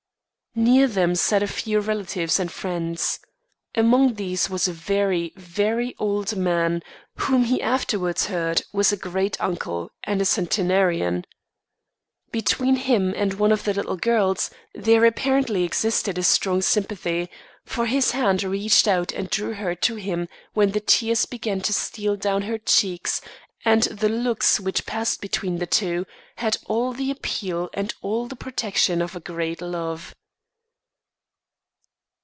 Near them sat a few relatives and friends. Among these was a very, very old man, whom he afterwards heard was a great uncle and a centenarian. Between him and one of the little girls, there apparently existed a strong sympathy; for his hand reached out and drew her to him when the tears began to steal down her cheeks, and the looks which passed between the two had all the appeal and all the protection of a great love.